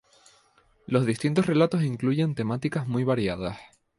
Los distintos relatos incluyen temáticas muy variadas.